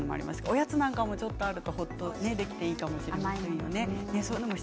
おやつなんかもあるとほっとできていいかもしれないですね。